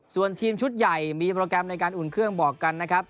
ส่วนทีมชุดใหญ่มีโปรแกรมในการอุ่นเครื่องบอกกันนะครับ